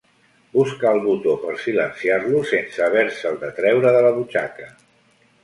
Busca el botó per silenciar-lo sense haver-se'l de treure de la butxaca.